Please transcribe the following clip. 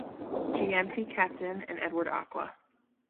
Gyamfi (captain) and Edward Acquah.